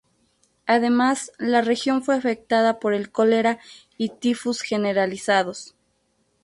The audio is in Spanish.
Además, la región fue afectada por el cólera y tifus generalizados.